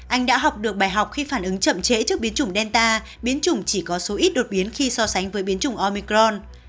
anh đã học được bài học khi phản ứng chậm trễ trước biến chủng delta biến chủng chỉ có số ít đột biến khi so sánh với biến chủng omicron